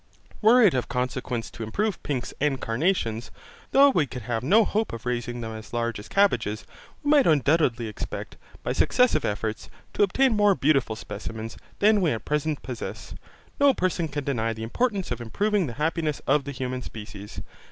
Were it of consequence to improve pinks and carnations, though we could have no hope of raising them as large as cabbages, we might undoubtedly expect, by successive efforts, to obtain more beautiful specimens than we at present possess. No person can deny the importance of improving the happiness of the human species.